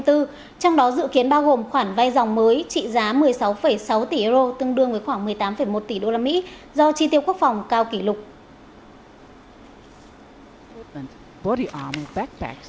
trong đó dự kiến bao gồm khoản vay dòng mới trị giá một mươi sáu sáu tỷ euro tương đương với khoảng một mươi tám một tỷ usd do chi tiêu quốc phòng cao kỷ lục